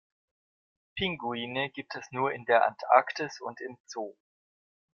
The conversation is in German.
Pinguine gibt es nur in der Antarktis und im Zoo.